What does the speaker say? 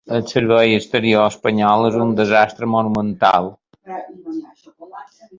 El servei exterior espanyol és un desastre monumental.